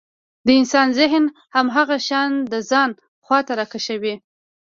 د انسان ذهن هماغه شيان د ځان خواته راکشوي.